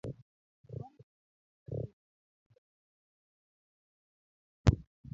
d. mar Buge ma ne ondiko ne joma ne ni e jela ne